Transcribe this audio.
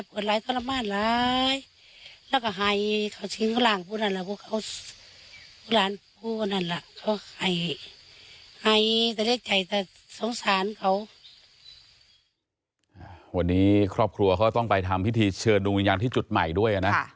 วันนี้ครอบครัวเขาต้องไปทำพิธีเชิญดวงวิญญาณที่จุดใหม่ด้วยนะ